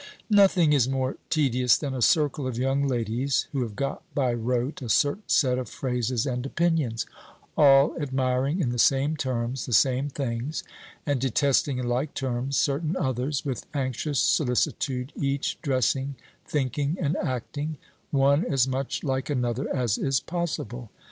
Nothing is more tedious than a circle of young ladies who have got by rote a certain set of phrases and opinions all admiring in the same terms the same things, and detesting in like terms certain others with anxious solicitude each dressing, thinking, and acting, one as much like another as is possible.